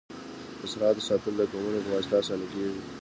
د سرحد ساتل د قومونو په واسطه اسانه کيږي.